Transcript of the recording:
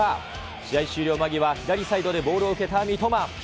試合終了間際、左サイドでボールを受けた三笘。